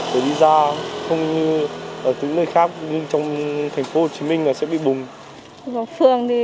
nếu đi ra không như ở tỉnh nơi khác như trong thành phố hồ chí minh là sẽ bị bùng